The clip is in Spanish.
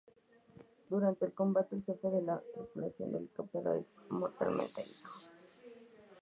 Durante el combate, el jefe de la tripulación del helicóptero es mortalmente herido.